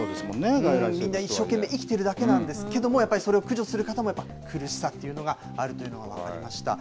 みんな一生懸命生きているだけなんですけれどそれを駆除する方も苦しさというのがあるというのが分かりました。